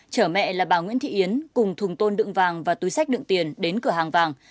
chở mẹ là bà nguyễn thị yến cùng thùng tôn đựng vàng và túi sách đựng tiền đến cửa hàng vàng